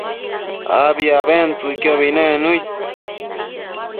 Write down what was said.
abi abentsëcquiobi nec nëid